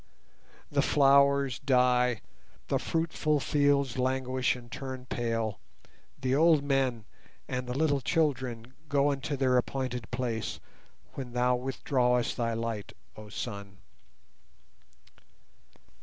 The flowers die, the fruitful fields languish and turn pale; The old men and the little children go unto their appointed place When Thou withdrawest thy light, oh Sun!